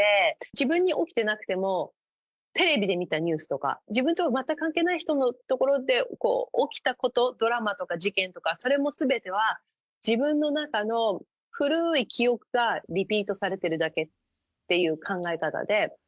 自分に起きてなくても、テレビで見たニュースとか、自分とは全く関係ない人のところで起きたこと、ドラマとか事件とか、それもすべては自分の中の古い記憶がリピートされてるだけってい